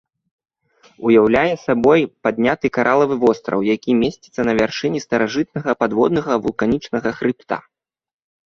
Уяўляе сабою падняты каралавы востраў, які месціцца на вяршыні старажытнага падводнага вулканічнага хрыбта.